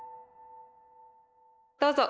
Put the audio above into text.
どうぞ！